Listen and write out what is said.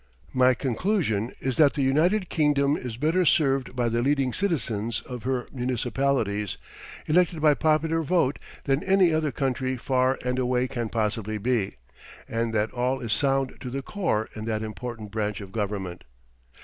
My conclusion is that the United Kingdom is better served by the leading citizens of her municipalities, elected by popular vote, than any other country far and away can possibly be; and that all is sound to the core in that important branch of government.